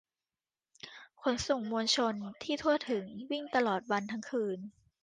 ขนส่งมวลชนที่ทั่วถึง วิ่งตลอดวันและคืน